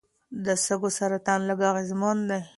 د سږو سرطان لږ اغېزمن دی.